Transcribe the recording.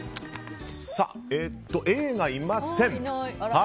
Ａがいません。